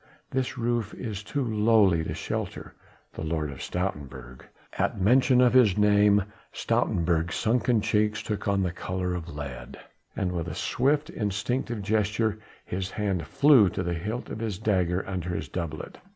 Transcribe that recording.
this roof is too lowly to shelter the Lord of Stoutenburg." At mention of his name Stoutenburg's sunken cheeks took on the colour of lead, and with a swift, instinctive gesture, his hand flew to the hilt of the dagger under his doublet.